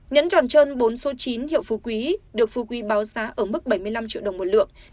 nhẫn tròn trơn bốn số chín hiệu phú quý được phu quý báo giá ở mức bảy mươi năm triệu đồng một lượng